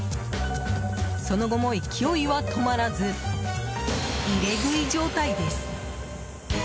その後も勢いは止まらず入れ食い状態です。